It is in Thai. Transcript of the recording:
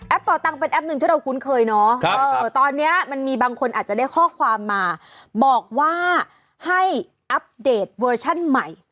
เป่าตังเป็นแอปหนึ่งที่เราคุ้นเคยเนาะตอนนี้มันมีบางคนอาจจะได้ข้อความมาบอกว่าให้อัปเดตเวอร์ชั่นใหม่